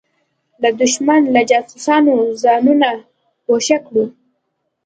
له دښمن له جاسوسانو ځانونه ګوښه کړو.